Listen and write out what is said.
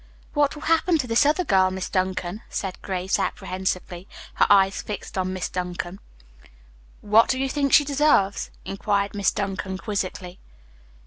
"What will happen to this other girl, Miss Duncan?" asked Grace apprehensively, her eyes fixed on Miss Duncan. "What do you think she deserves?" inquired Miss Duncan quizzically.